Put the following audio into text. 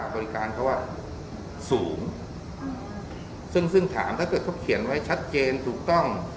บริการเขาสูงซึ่งซึ่งถามถ้าเกิดเขาเขียนไว้ชัดเจนถูกต้อง